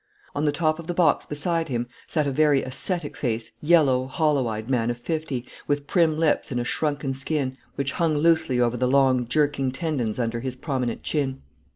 On the top of the box beside him sat a very ascetic faced, yellow, hollow eyed man of fifty, with prim lips and a shrunken skin, which hung loosely over the long jerking tendons under his prominent chin.